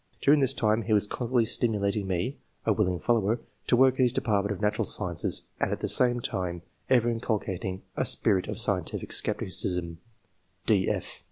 During this time he was constantly stimu lating me (a willing follower) to work in his department of natural science, and at the same time, ever inculcating a spirit of scientific scepticism."